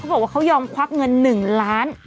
บอกว่าเขายอมควักเงิน๑ล้าน